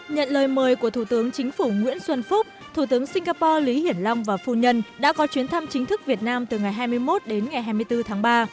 nhận lời mời của thủ tướng chính phủ nguyễn xuân phúc thủ tướng singapore lý hiển long và phu nhân đã có chuyến thăm chính thức việt nam từ ngày hai mươi một đến ngày hai mươi bốn tháng ba